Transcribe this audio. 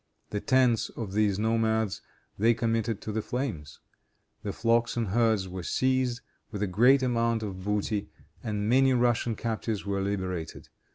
The tents of these nomads they committed to the flames. Their flocks and herds were seized, with a great amount of booty, and many Russian captives were liberated.